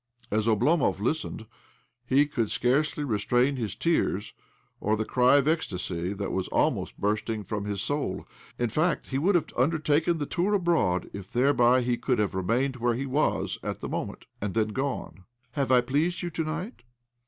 As Oblomov listened he could scarcely re strain his tears or the cry of ecstasy that was almost bursting from his soul. In fact, he would have undertaken the tour abroad if thereby he could have remained where he was at that moment, and then gone. ''Have I pleased you to night?"